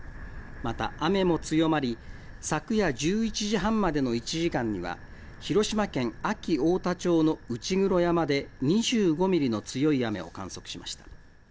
また、雨も強まり、昨夜１１時半までの１時間には、広島県安芸太田町の内黒山で２５ミリの強い雨を観測しました。